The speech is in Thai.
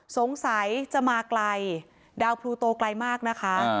สงสัยจะมาไกลดาวพลูโตไกลมากนะคะ